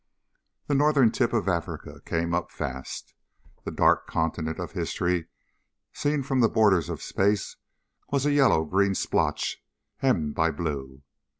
The Northern tip of Africa came up fast. The Dark Continent of history seen from the borders of space was a yellow green splotch hemmed by blue.